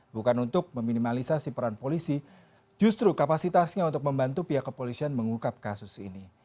bukan untuk meminimalisasi peran polisi justru kapasitasnya untuk membantu pihak kepolisian mengungkap kasus ini